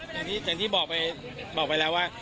ตอนนี้บอกไปบอกไปแล้วว่า